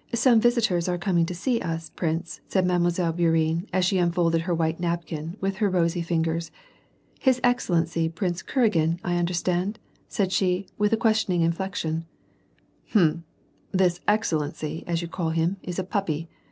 " So some visitors are coming to see us, prince," said ^Clle. Bourienne, as she unfolded her white napkin with her rosy fingers. "His excellency. Prince Kuragin, I understand?"* she said, with a questioning inflexion. " Hm — this 'excellency,' as you call him, is a puppy.